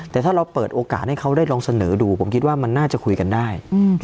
แต่ถ้าเราเปิดโอกาสให้เขาได้ลองเสนอดูผมคิดว่ามันน่าจะคุยกันได้